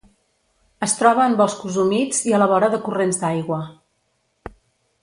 Es troba en boscos humits i a la vora de corrents d'aigua.